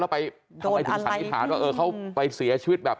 แล้วไปขยับกลัวถึงคันที่ถามว่าเขาไปเสียชีวิต